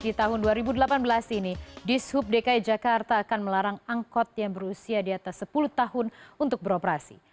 di tahun dua ribu delapan belas ini di sub dki jakarta akan melarang angkot yang berusia di atas sepuluh tahun untuk beroperasi